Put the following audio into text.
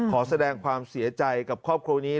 ขอแสดงความเสียใจกับครอบครัวนี้